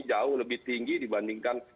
jauh lebih tinggi dibandingkan